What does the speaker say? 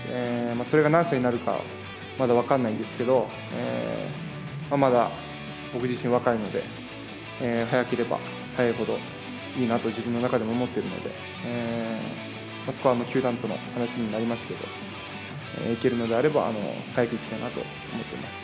それが何歳になるか、まだ分かんないですけど、まだ僕自身、若いので、早ければ早いほどいいなと自分の中で思ってるので、そこは球団との話になりますけど、行けるのであれば早く行きたいなと思っています。